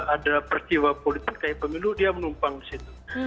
ada peristiwa politik kayak pemilu dia menumpang di situ